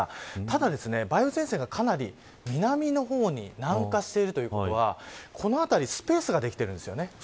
ただ梅雨前線がかなり南下しているということはこの辺りスペースができているんです。